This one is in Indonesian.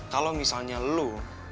kalau misalnya lo